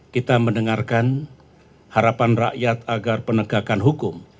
kita mendengarkan harapan rakyat agar penegakan hukum